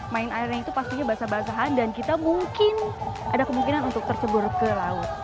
main airnya itu pastinya basah basahan dan kita mungkin ada kemungkinan untuk tercebur ke laut